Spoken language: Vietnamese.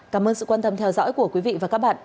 cảm ơn sự quan tâm theo dõi của quý vị và các bạn